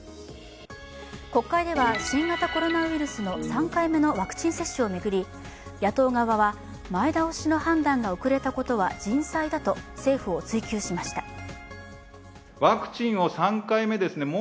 国会では、新型コロナウイルスの３回目のワクチン接種を巡り、野党側は、前倒しの判断が遅れたことは人災だと政府を追及しました。